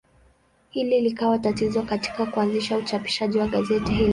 Hili likawa tatizo katika kuanzisha uchapishaji wa gazeti hili.